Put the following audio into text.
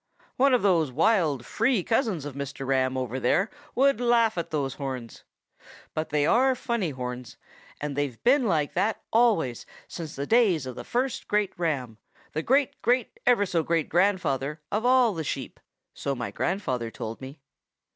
One of those wild, free cousins of Mr. Ram over there would laugh at those horns. But they are funny horns, and they've been like that always since the days of the first great Ram, the great great ever so great grandfather of all the Sheep, so my grandfather told me.